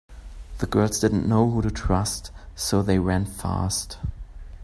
The girls didn’t know who to trust so they ran fast.